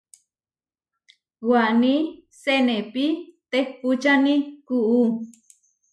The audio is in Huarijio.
Waní senépi tehpúčani kuú.